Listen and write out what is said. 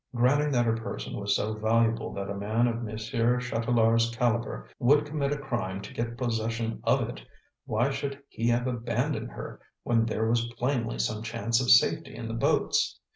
Granting that her person was so valuable that a man of Monsieur Chatelard's caliber would commit a crime to get possession of it, why should he have abandoned her when there was plainly some chance of safety in the boats?